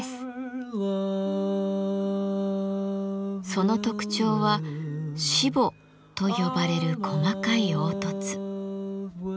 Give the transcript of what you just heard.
その特徴はしぼと呼ばれる細かい凹凸。